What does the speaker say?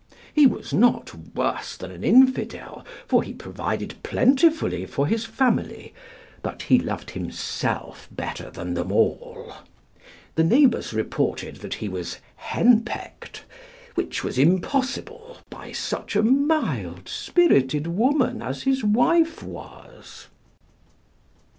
He was not worse than an infidel, for he provided plentifully for his family, but he loved himself better than them all. The neighbors reported that he was henpecked, which was impossible, by such a mild spirited woman as his wife was.